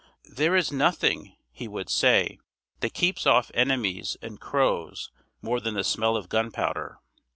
There is nothing, he would say, that keeps off enemies and crows more than the smell of gunpowder.